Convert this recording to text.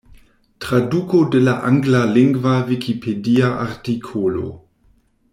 Traduko de la anglalingva vikipedia artikolo.